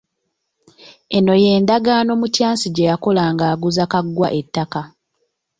Eno ye ndagaano Matyansi gye yakola ng'aguza Kaggwa ettaka.